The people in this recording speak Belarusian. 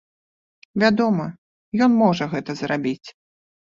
Вядома, ён можа гэта зрабіць!